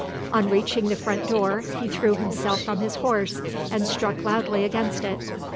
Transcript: On reaching the front door he threw himself from his horse and struck loudly against it.